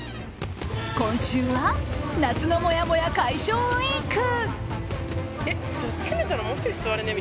今週は夏のもやもや解消ウィーク。